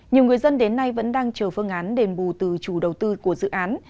nhiều người dân đến nay vẫn đang chờ phương án đền bù từ chủ đầu tư của dự án